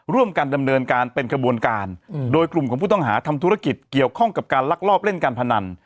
ร่วมกันดำเนินการเป็นขบวนการโดยกลุ่มของผู้ต้องหาทำธุรกิจเกี่ยวข้องกับการลักลอบเล่นการพนัน